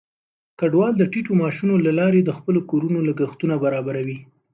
کډوال د ټیټو معاشونو له لارې د خپلو کورونو لګښتونه برابروي.